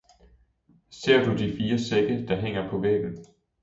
ser du de fire sække, der hænger på væggen.